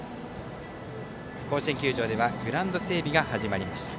甲子園球場ではグラウンド整備が始まりました。